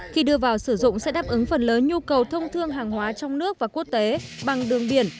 khi đưa vào sử dụng sẽ đáp ứng phần lớn nhu cầu thông thương hàng hóa trong nước và quốc tế bằng đường biển